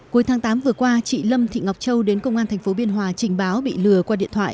cuối tháng tám vừa qua chị lâm thị ngọc châu đến công an tp biên hòa trình báo bị lừa qua điện thoại